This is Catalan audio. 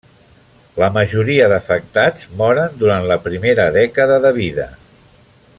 La majoria d'afectats moren durant la primera dècada de vida.